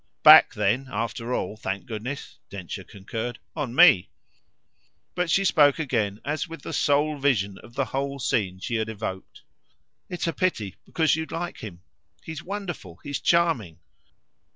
"Back then, after all, thank goodness," Densher concurred, "on me." But she spoke again as with the sole vision of the whole scene she had evoked. "It's a pity, because you'd like him. He's wonderful he's charming."